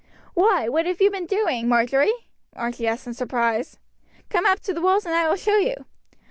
"Why, what have you been doing, Marjory?" Archie asked in surprise. "Come up to the walls and I will show you."